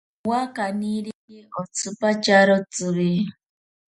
Nowa kaniri otsipatyaro tsiwi.